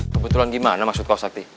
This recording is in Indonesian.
kebetulan bagaimana maksud kau sakti